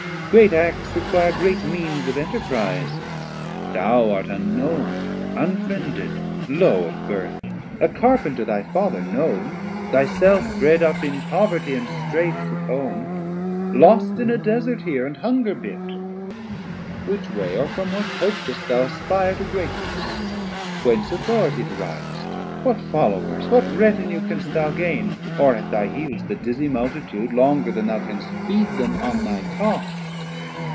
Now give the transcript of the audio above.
Great acts require great means of enterprise, Thou art unknown, unfriended, low of birth, A Carpenter thy Father known, thy self Bred up in poverty and streights at home; Lost in a Desert here and hunger bit: Which way or from what hope dost thou aspire To greatness? whence Authority deriv'st, What Followers, what Retinue canst thou gain, Or at thy heels the dizzy Multitude, 420 Longer then thou canst feed them on thy cost?